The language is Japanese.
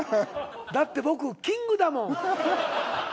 だって僕キングだもん。